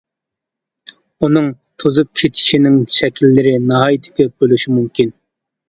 ئۇنىڭ توزۇپ كېتىشىنىڭ شەكىللىرى ناھايىتى كۆپ بولۇشى مۇمكىن.